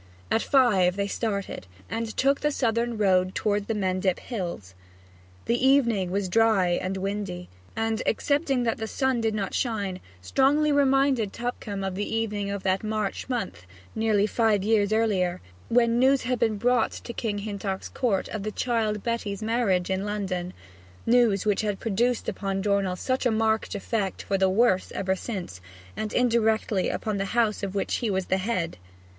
At five they started, and took the southern road toward the Mendip Hills. The evening was dry and windy, and, excepting that the sun did not shine, strongly reminded Tupcombe of the evening of that March month, nearly five years earlier, when news had been brought to King's Hintock Court of the child Betty's marriage in London news which had produced upon Dornell such a marked effect for the worse ever since, and indirectly upon the household of which he was the head.